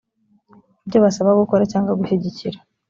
ibyo basaba gukora cyangwa gushyigikira